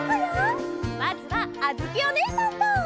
まずはあづきおねえさんと。